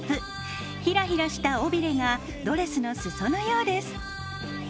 ひらひらした尾びれがドレスの裾のようです。